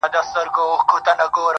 جهاني زما په قسمت نه وو دا ساعت لیکلی!